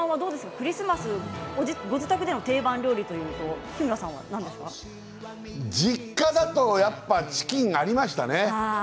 クリスマスのご自宅での定番料理といえば実家だとやっぱりチキンがありましたね。